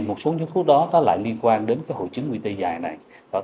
một số nhóm thuốc đó lại liên quan đến hội chứng quy tê giải này